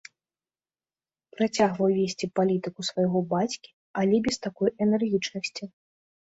Працягваў весці палітыку свайго бацькі, але без такой энергічнасці.